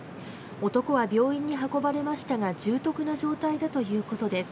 男は病院に運ばれましたが重篤な状態だということです。